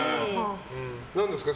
何ですか？